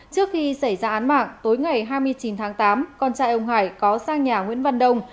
trước khi xảy ra án mạng tối ngày hai mươi chín tháng tám con trai ông hải có sang nhà nguyễn văn đông